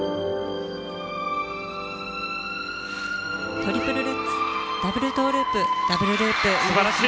トリプルルッツダブルトウループ素晴らしい！